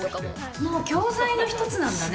もう教材の一つなんだね。